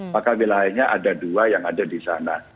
maka wilayahnya ada dua yang ada di sana